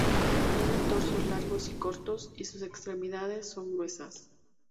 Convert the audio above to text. Tienen torsos largos y cortos y sus extremidades son gruesas.